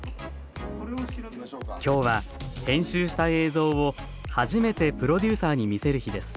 今日は編集した映像を初めてプロデューサーに見せる日です